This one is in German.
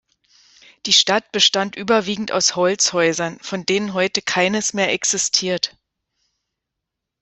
Die Stadt bestand überwiegend aus Holzhäusern, von denen heute keines mehr existiert.